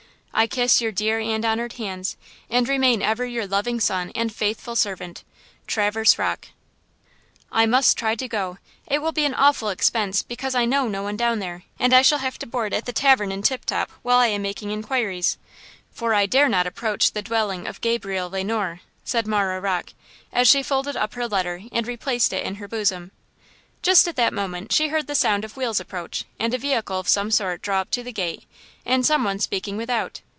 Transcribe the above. I kiss your dear and honored hands, and remain ever your loving son and faithful servant. TRAVERSE ROCKE. "I must try to go. It will be an awful expense, because I know no one down there, and I shall have to board at the tavern at Tip Top while I am making inquiries–for I dare not approach the dwelling of Gabriel Le Noir!" said Marah Rocke, as she folded up her letter and replaced it in her bosom. Just at that moment she heard the sound of wheels approach and a vehicle of some sort draw up to the gate and some one speaking without.